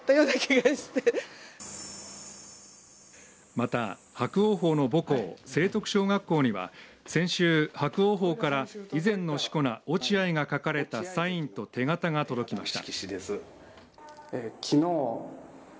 また、伯桜鵬の母校成徳小学校には先週伯桜鵬から以前のしこ名落合が書かれたサインと手形が届きました。